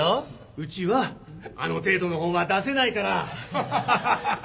うちはあの程度の本は出せないから